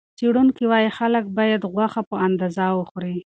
څېړونکي وايي، خلک باید غوښه په اندازه وخوري.